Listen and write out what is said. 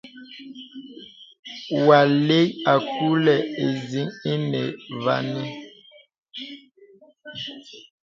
Wà lɛ àkùla ìyìŋ ìnə vənə.